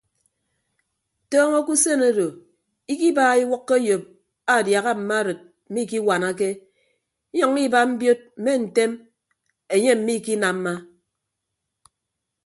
Tọọñọ ke usen odo ikibaaha iwʌkkọ eyop aadiaha mma arịd mmikiwanake inyʌññọ iba mbiod mme ntem enye mmikinamma.